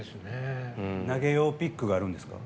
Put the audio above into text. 投げ用ピックがあるんですか？